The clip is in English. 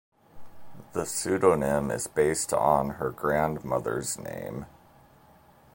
The pseudonym is based on her grandmother's name.